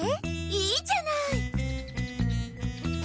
いいじゃない！